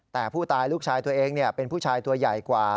แต่ผู้ตายลูกชายตัวเองเป็นผู้ชายตัวใหญ่กว่า